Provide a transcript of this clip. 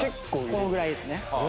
このぐらいですね。